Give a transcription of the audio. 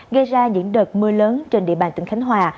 gây ra những đợt mưa lớn trên địa bàn tỉnh khánh hòa